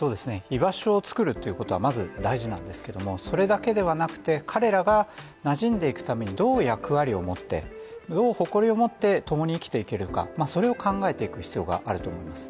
居場所を作るっていうことはまず大事なんですけどもそれだけではなくて、彼らが馴染んでいくためにどう役割を持って、どう誇りを持って共に生きていけるかそれを考えていく必要があると思います